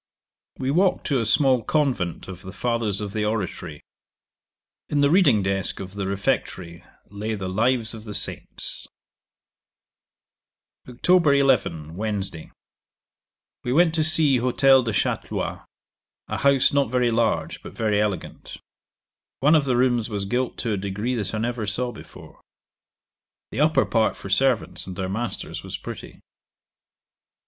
'We walked to a small convent of the Fathers of the Oratory. In the reading desk of the refectory lay the lives of the Saints. 'Oct. 11. Wednesday. We went to see Hotel de Chatlois, a house not very large, but very elegant. One of the rooms was gilt to a degree that I never saw before. The upper part for servants and their masters was pretty.